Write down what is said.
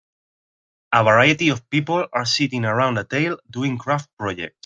A variety of people are sitting around a tale doing craft projects.